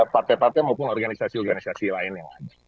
partai partai maupun organisasi organisasi lainnya